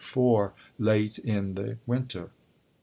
^' before late in the winter.